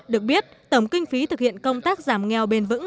được biết tổng kinh phí thực hiện công tác giảm nghèo bền vững